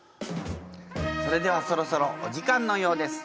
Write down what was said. それではそろそろお時間のようです。